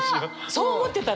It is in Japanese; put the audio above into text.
そう思ってた！